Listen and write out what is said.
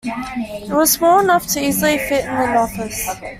It was small enough to easily fit in an office.